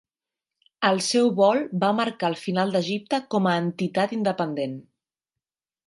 El seu vol va marcar el final d'Egipte com a entitat independent.